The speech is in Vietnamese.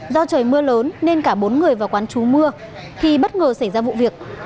do trời mưa lớn nên cả bốn người vào quán trú mưa thì bất ngờ xảy ra vụ việc